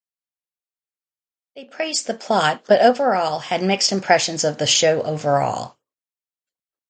They praised the plot but overall had mixed impressions of the show overall.